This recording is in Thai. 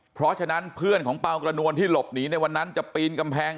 เพราะฉะนั้นเพื่อนของเปล่ากระนวลที่หลบหนีในวันนั้นจะปีนกำแพง